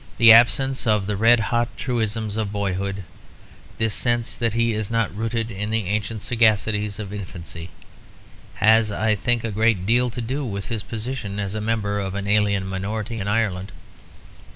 This absence of the red hot truisms of boyhood; this sense that he is not rooted in the ancient sagacities of infancy, has, I think, a great deal to do with his position as a member of an alien minority in Ireland.